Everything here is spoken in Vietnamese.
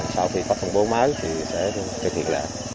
sau khi có phòng bố máy thì sẽ thực hiện